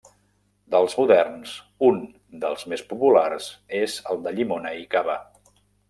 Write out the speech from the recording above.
Dels moderns, un dels més populars és el de llimona i cava.